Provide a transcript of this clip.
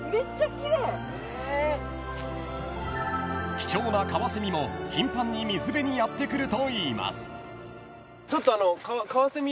［貴重なカワセミも頻繁に水辺にやって来るといいます］